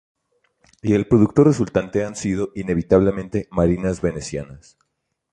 Y el producto resultante han sido, inevitablemente, marinas venecianas.